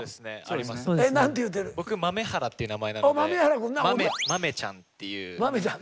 僕豆原っていう名前なのでマメちゃんっていうニックネーム。